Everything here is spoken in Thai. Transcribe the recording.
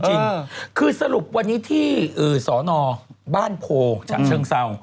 จริงคือสรุปวันนี้ที่สอนอบ้านโพฉะเชิงเศร้า